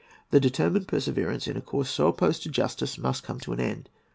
The determined perseverance in a course so opposed to justice must come to an end.